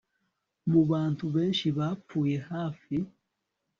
Mu bantu benshi bapfuye hafi